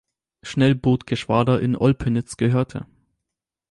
Schnellbootgeschwader in Olpenitz gehörte.